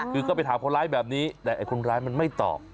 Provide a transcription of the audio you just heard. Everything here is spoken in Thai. คือก็ไปถามคนร้ายแบบนี้แต่ไอ้คนร้ายมันไม่ตอบ